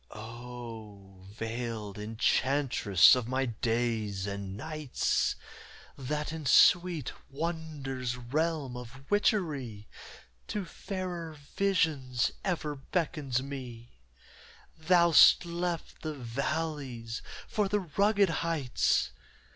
O veiled enchantress of my days and nights, That in sweet wonder's realm of witchery To fairer visions ever beckons me, Thou'st left the valleys for the rugged heights!